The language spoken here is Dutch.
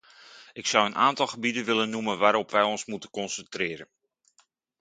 Ik zou een aantal gebieden willen noemen waarop wij ons moeten concentreren.